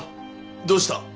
どうした？